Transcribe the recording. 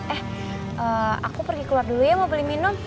eh aku pergi keluar dulu ya mau beli minum